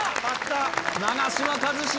長嶋一茂